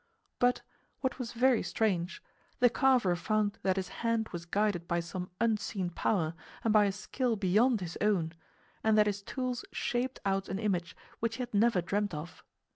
But (what was very strange) the carver found that his hand was guided by some unseen power and by a skill beyond his own, and that his tools shaped out an image which he had never dreamed of.